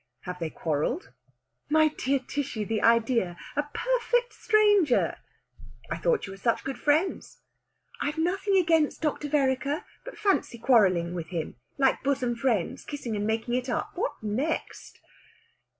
Have they quarrelled? "My dear Tishy! The idea! A perfect stranger!" "I thought you were such good friends." "I've nothing against Dr. Vereker. But fancy quarrelling with him! Like bosom friends. Kissing and making it up. What next!"